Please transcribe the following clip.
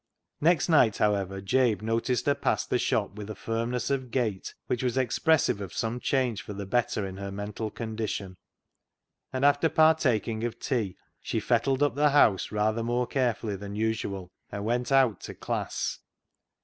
Next night, however, Jabe noticed her pass the shop with a firmness of gait which was expressive of some change for the better in her mental condition, and after partaking of tea she VAULTING AMBITION 243 fettled up the house rather more carefully than usual, and went out to " class."